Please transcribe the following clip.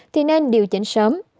thì nên điều chỉnh sớm